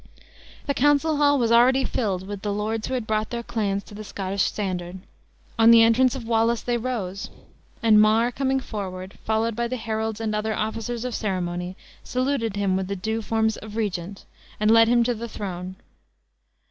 The council hall was already filled with the lords who had brought their clans to the Scottish standard. On the entrance of Wallace they rose; and Mar coming forward, followed by the heralds and other officers of ceremony, saluted him with the due forms of regent, and led him to the throne.